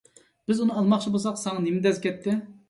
بىز ئۇنى ئالماقچى بولساق ساڭا نېمە دەز كەتتى؟